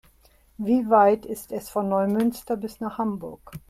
Wie weit ist es von Neumünster bis nach Hamburg?